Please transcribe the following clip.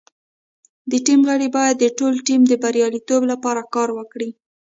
د ټیم غړي باید د ټول ټیم د بریالیتوب لپاره کار وکړي.